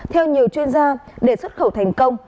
theo nhiều chuyên gia để xuất khẩu thành công